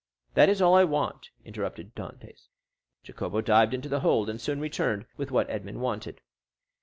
"That is all I want," interrupted Dantès. Jacopo dived into the hold and soon returned with what Edmond wanted.